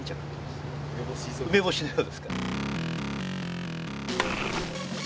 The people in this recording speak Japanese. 梅干しのようですから。